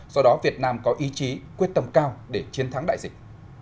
do đó việt nam có ý chí quyết tâm cao để chiến thắng đại dịch